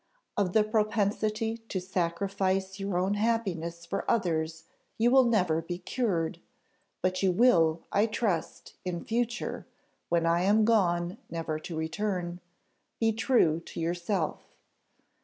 Of the propensity to sacrifice your own happiness for others you will never be cured, but you will, I trust, in future, when I am gone never to return, be true to yourself.